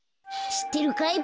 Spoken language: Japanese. しってるかい？